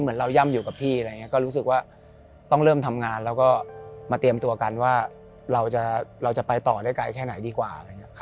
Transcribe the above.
เหมือนเราย่ำอยู่กับที่ก็รู้สึกว่าต้องเริ่มทำงานแล้วก็มาเตรียมตัวกันว่าเราจะเราจะไปต่อได้ไกลแค่ไหนดีกว่า